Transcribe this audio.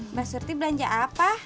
mbak surti belanja apa